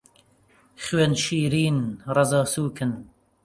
خوێن شیرن، ڕەزا سووکن